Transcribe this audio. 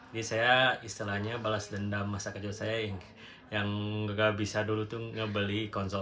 jadi saya istilahnya balas dendam masa kejauh saya yang nggak bisa dulu tuh ngebeli konsol